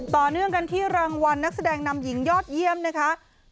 ต่อเนื่องกันที่รางวัลนักแสดงนำหญิงยอดเยี่ยมนะคะ